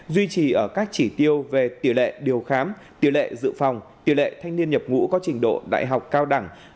duy trì ở các chỉ tiêu về tiểu lệ điều khám tiểu lệ dự phòng tiểu lệ thanh niên nhập ngũ có trình độ đại học cao đẳng